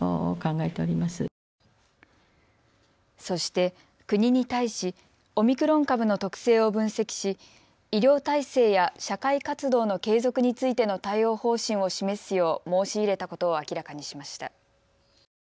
そして国に対しオミクロン株の特性を分析し医療体制や社会活動の継続についての対応方針を示すよう申し入れたことを明らかにしました。